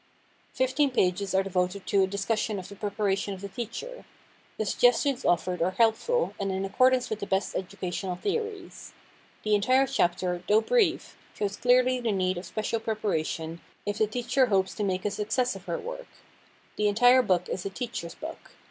Fifteen pages are devoted to a discussion of the preparation of the teacher. The suggestions offered are helpful, and in accordance with the best educational theories. The entire chapter, though brief, shows clearly the need of special preparation, if a teacher hopes to make a success of her work. The entire book is a teacher's book.